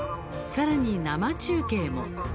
さらに生中継も。